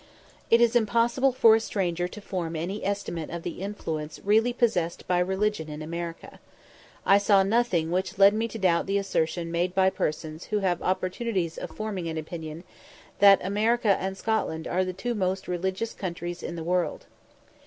It is impossible for a stranger to form any estimate of the influence really possessed by religion in America. I saw nothing which led me to doubt the assertion made by persons who have opportunities of forming an opinion, that "America and Scotland are the two most religious countries in the world."